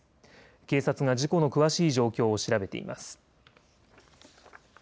警察が事故の詳しい状況を調べています。